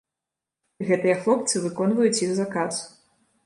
Гэтыя хлопцы выконваюць іх заказ.